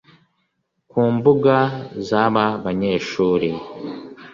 Ku mbuga z’aba banyeshuri